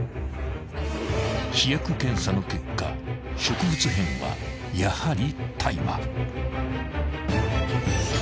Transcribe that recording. ［試薬検査の結果植物片はやはり］